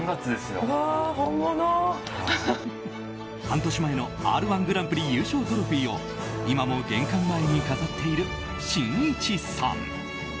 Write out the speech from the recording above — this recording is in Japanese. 半年前の「Ｒ‐１グランプリ」優勝トロフィーを今も玄関前に飾っているしんいちさん。